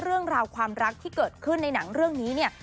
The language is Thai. เรื่องราวความรักที่เกิดขึ้นในหนังเรื่องนี้เนี่ย